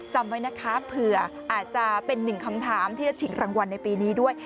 จำไว้นะคะเผื่ออาจจะเป็นหนึ่งคำถามที่จะฉิงรางวัลในปีนี้ด้วย